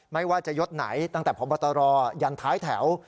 ไม่ว่าจะยดไหนตั้งแต่พบตรยันท้ายแถว